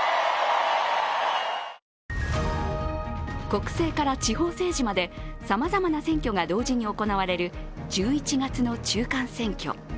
国政から地方政治までさまざまな選挙が同時に行われる１１月の中間選挙。